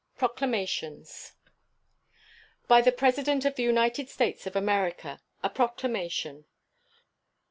] PROCLAMATIONS. BY THE PRESIDENT OF THE UNITED STATES OF AMERICA. A PROCLAMATION.